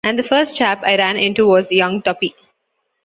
And the first chap I ran into was young Tuppy.